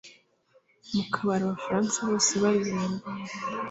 Mu kabari Abafaransa bose baririmba